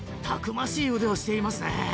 たくましい腕をしていますね